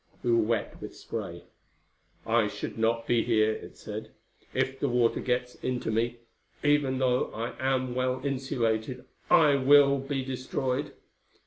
We were wet with spray. "I should not be here," it said. "If the water gets into me even though I am well insulated I will be destroyed!"